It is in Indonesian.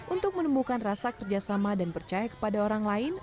untuk menemukan rasa kerjasama dan percaya kepada orang lain